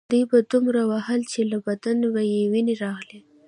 دوی به دومره واهه چې له بدن به یې وینې راغلې